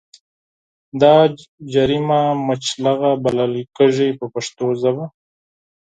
دا جریمه مچلغه بلل کېږي په پښتو ژبه.